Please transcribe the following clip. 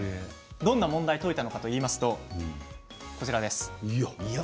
どんな問題を解いたのかというとこちら。